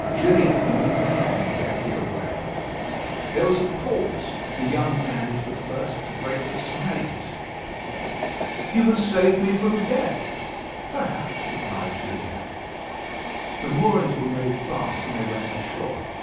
Gilliatt moved the hand gently away. There was a pause. The young man was the first to break the silence. "You have saved me from death." "Perhaps," replied Gilliatt. The moorings were made fast, and they went ashore.